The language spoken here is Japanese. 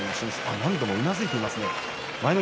自分でうなずいていますね。